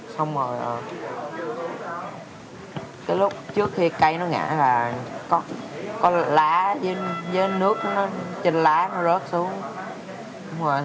xong rồi cái lúc trước khi cây nó ngã là có lá với nước nó trên lá nó rớt xuống